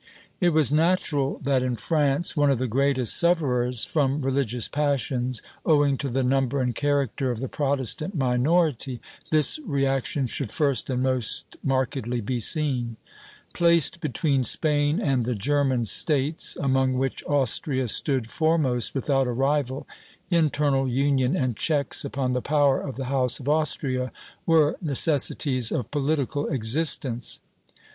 It was natural that in France, one of the greatest sufferers from religious passions, owing to the number and character of the Protestant minority, this reaction should first and most markedly be seen. Placed between Spain and the German States, among which Austria stood foremost without a rival, internal union and checks upon the power of the House of Austria were necessities of political existence.